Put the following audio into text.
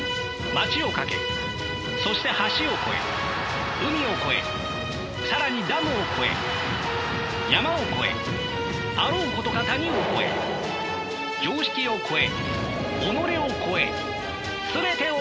街を駆けそして橋を越え海を越え更にダムを越え山を越えあろうことか谷を越え常識を越え己を越え全てを越えて。